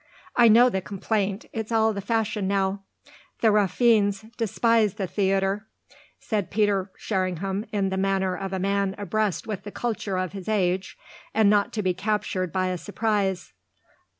"I know the complaint. It's all the fashion now. The raffinés despise the theatre," said Peter Sherringham in the manner of a man abreast with the culture of his age and not to be captured by a surprise.